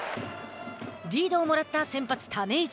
リードをもらった先発、種市。